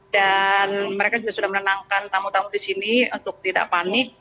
dan mereka sudah menenangkan tamu tamu disini untuk tidak panik